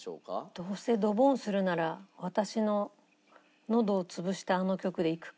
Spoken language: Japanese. どうせドボンするなら私ののどを潰したあの曲でいくか。